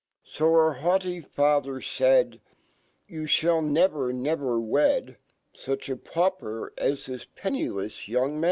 So her haughty Yafher faid ^ fha! 1 never, never wed Such apauper as this pennileft young.